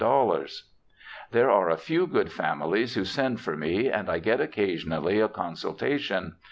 * There are a few good families who send for me, and I get occasionally a consultation.